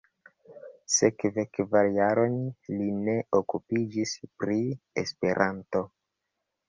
Sekve kvar jarojn li ne okupiĝis pri Esperanto.